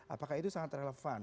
apakah itu sangat relevan